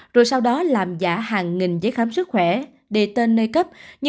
rồi sau đó làm giả hàng nghìn giấy khám sức khỏe để tên nơi cấp như